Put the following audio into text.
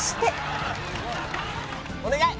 お願い！